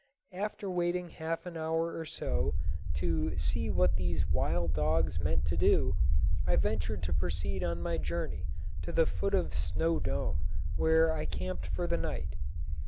After waiting half an hour or so to see what these wild dogs meant to do, I ventured to proceed on my journey to the foot of Snow Dome, where I camped for the night.